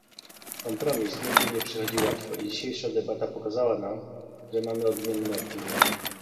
Kompromis nigdy nie przychodzi łatwo i dzisiejsza debata pokazała nam, że mamy odmienne opinie